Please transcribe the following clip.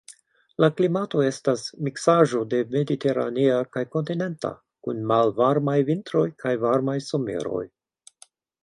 La klimato estas miksaĵo de mediteranea kaj kontinenta, kun malvarmaj vintroj kaj varmaj someroj.